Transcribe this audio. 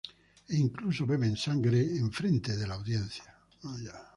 E incluso beben sangre en frente de la audiencia.